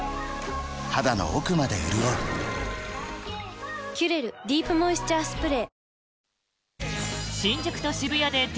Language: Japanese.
肌の奥まで潤う「キュレルディープモイスチャースプレー」